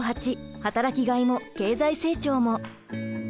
「働きがいも経済成長も」。